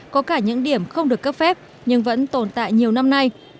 có cả những điểm không được cấp phép nhưng vẫn tồn tại nhiều năm nay